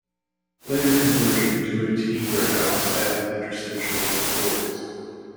Later conversion to a tea warehouse added interstitial floors.